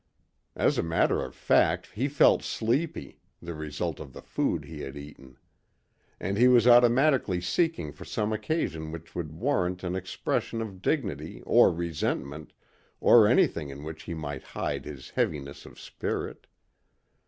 As a matter of fact he felt sleepy, the result of the food he had eaten. And he was automatically seeking for some occasion which would warrant an expression of dignity or resentment or anything in which he might hide his heaviness of spirit.